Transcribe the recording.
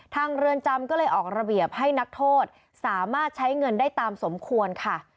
เรือนจำก็เลยออกระเบียบให้นักโทษสามารถใช้เงินได้ตามสมควรค่ะ